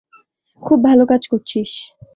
খুব ভালো কাজ করছিস!